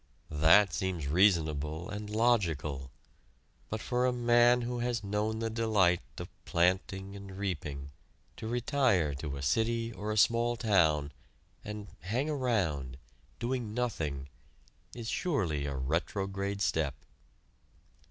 That seems reasonable and logical! But for a man who has known the delight of planting and reaping to retire to a city or a small town, and "hang around," doing nothing, is surely a retrograde step.